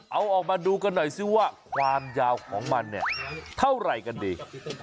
เอาออกมาดูกันหน่อยสิว่าความยาวของมันเนี่ยเท่าไหร่กันดี